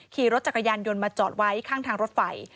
ขี่รถจักรยานยนต์มาจอดไว้ข้างทางรถไฟ